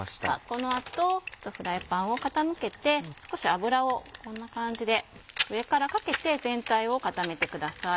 この後フライパンを傾けて少し油を上からかけて全体を固めてください。